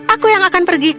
aku yang akan pergi